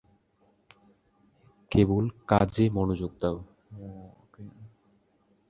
কেবল কাজে মনোযোগ দাও।